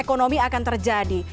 ekonomi akan terjadi